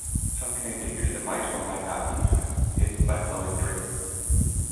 Some contain figures that might or might not be human, hidden by flowing drapery.